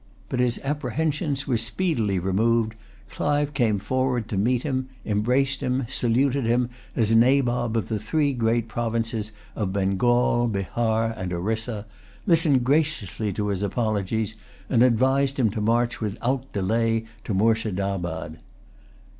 But his apprehensions were speedily removed, Clive came forward to meet him, embraced him, saluted him as Nabob of the three great provinces of Bengal, Bahar, and Orissa, listened graciously to his apologies, and advised him to march without delay to Moorshedabad.